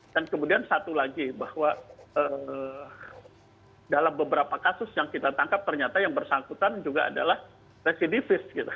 dan kemudian satu lagi bahwa dalam beberapa kasus yang kita tangkap ternyata yang bersangkutan juga adalah residivis